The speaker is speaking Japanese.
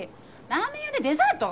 ラーメン屋でデザート？